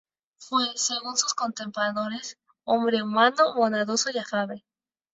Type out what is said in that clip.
Fue, según sus contemporáneos, hombre humano, bondadoso y afable.